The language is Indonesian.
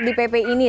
di pp ini